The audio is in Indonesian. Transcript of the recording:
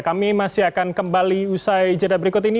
kami masih akan kembali usai jeda berikut ini